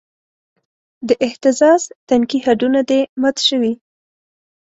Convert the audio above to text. د اهتزاز تنکي هډونه دې مات شوی